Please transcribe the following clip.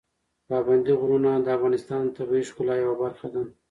پابندي غرونه د افغانستان د طبیعي ښکلا یوه برخه ده.